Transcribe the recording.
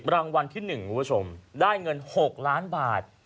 รางวัลที่๑คุณผู้ชมได้เงิน๖ล้านบาท